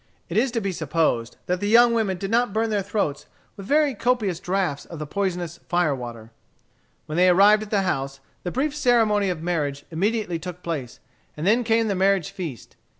It is to be supposed that the young women did not burn their throats with very copious drafts of the poisonous fire water. When they arrived at the house, the brief ceremony of marriage immediately took place, and then came the marriage feast.